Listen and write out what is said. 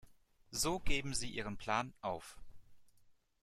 So geben sie ihren Plan auf.